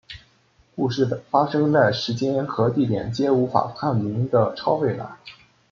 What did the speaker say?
故事发生在时间和地点皆无法判明的超未来。